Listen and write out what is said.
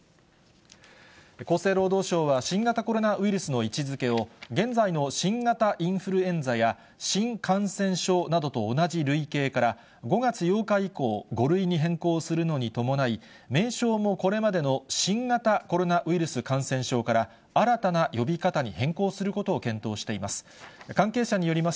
厚生労働省は、新型コロナウイルスの位置づけを、現在の新型インフルエンザや新感染症などと同じ類型から、５月８日以降、５類に変更するのに伴い、名称もこれまでの新型コロナウイルス感染症から新たな呼び方に変更することを検討しています。